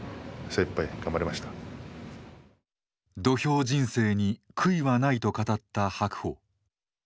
「土俵人生に悔いはない」と語った白鵬。